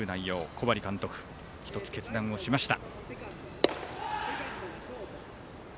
小針監督１つ決断をしました。